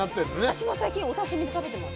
私も最近お刺身で食べてます。